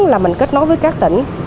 là mình kết nối với các tỉnh